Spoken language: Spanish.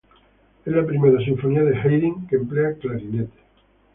Es la primera sinfonía de Haydn que emplea clarinetes.